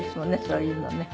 そういうのね。